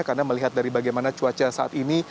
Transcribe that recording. karena melihat bagaimana cuaca saat ini